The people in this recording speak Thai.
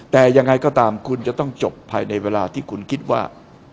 แต่ยังไงก็ตามคุณจะต้องจบภายในเวลาที่คุณคิดว่า